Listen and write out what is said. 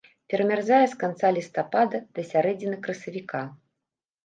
Перамярзае з канца лістапада да сярэдзіны красавіка.